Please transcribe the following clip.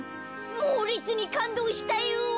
もうれつにかんどうしたよ。